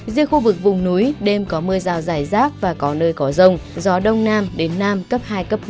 dưới khu vực vùng núi đêm có mưa rào dài rác và có nơi có rông gió đông nam đến nam cấp hai ba